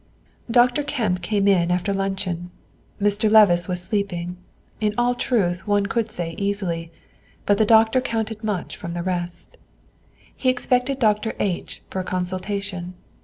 Dr. Kemp came in after luncheon. Mr. Levice was sleeping, in all truth, one could say easily, but the doctor counted much from the rest. He expected Dr. H for a consultation.